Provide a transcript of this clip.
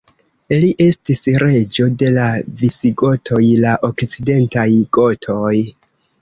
Li estis reĝo de la visigotoj, la okcidentaj gotoj.